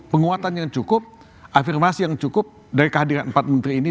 penguatan yang cukup afirmasi yang cukup dari kehadiran empat menteri ini